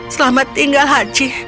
selamat tinggal hachi